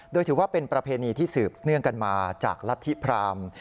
โดยถือว่าเป็นประเพณีที่สืบเนื่องกันมาจากรัฐธิพราม